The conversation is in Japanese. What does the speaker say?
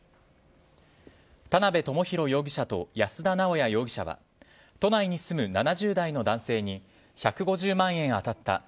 田辺智弘容疑者と安田直弥容疑者は都内に住む７０代の男性に１５０万円当たった。